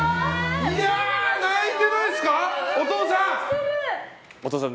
いや泣いてないですかお父さん！